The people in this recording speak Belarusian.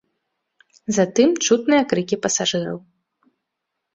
Затым чутныя крыкі пасажыраў.